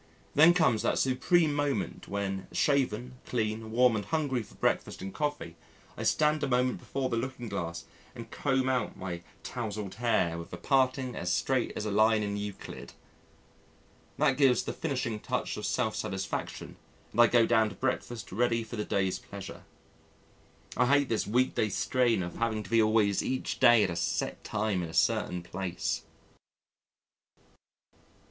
Then comes that supreme moment when, shaven, clean, warm and hungry for breakfast and coffee, I stand a moment before the looking glass and comb out my towzled hair with a parting as straight as a line in Euclid. That gives the finishing touch of self satisfaction, and I go down to breakfast ready for the day's pleasure. I hate this weekday strain of having to be always each day at a set time in a certain place.